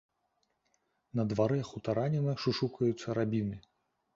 На дварэ хутараніна шушукаюцца рабіны.